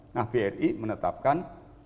nah bri menetapkan